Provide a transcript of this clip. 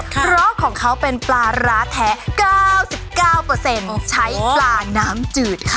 เพราะของเขาเป็นปลาร้าแท้๙๙ใช้ปลาน้ำจืดค่ะ